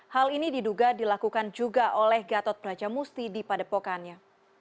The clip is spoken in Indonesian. hal ini diduga dilakukan juga oleh gatot brajamusti di padepokannya